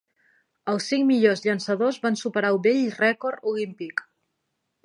Els cinc millors llançadors van superar el vell rècord olímpic.